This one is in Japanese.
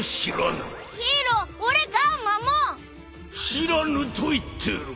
知らぬと言ってる。